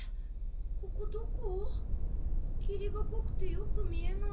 ここどこ？きりがこくてよく見えない。